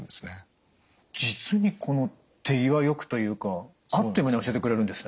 実に手際よくというかあっという間に教えてくれるんですね。